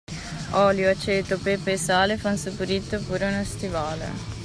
Olio, aceto, pepe e sale fan saporito pure uno stivale.